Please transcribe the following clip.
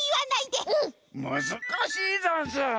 むずかしいざんす。